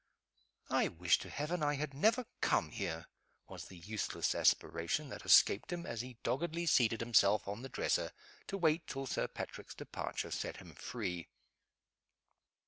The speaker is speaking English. "I wish to Heaven I had never come here!" was the useless aspiration that escaped him, as he doggedly seated himself on the dresser to wait till Sir Patrick's departure set him free.